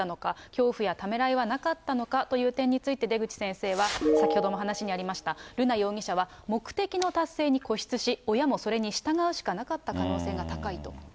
恐怖やためらいはなかったのかという点について、出口先生は先ほども話にありました、瑠奈容疑者は目的の達成に固執し、親もそれに従うしかなかった可能性が高いと。